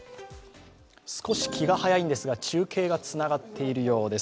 少し気が早いんですが、中継がつながっているようです。